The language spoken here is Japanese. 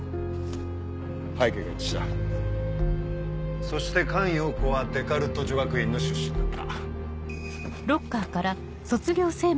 ⁉背景が一致したそして菅容子はデカルト女学院の出身だった。